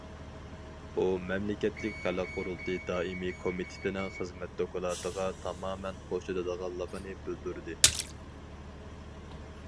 ئۇ مەملىكەتلىك خەلق قۇرۇلتىيى دائىمىي كومىتېتىنىڭ خىزمەت دوكلاتىغا تامامەن قوشۇلىدىغانلىقىنى بىلدۈردى.